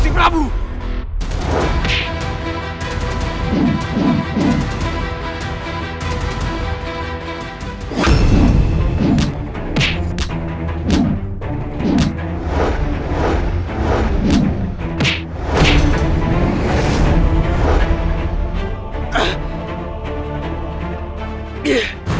aku bukan saudaramu